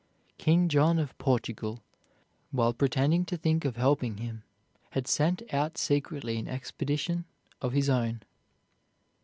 King John of Portugal, while pretending to think of helping him, had sent out secretly an expedition of his own.